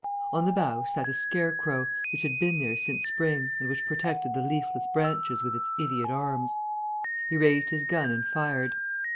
On the bough sat a scarecrow, which had been there since spring and which protected the leafless branches with its idiot arms. He raised his gun and fired.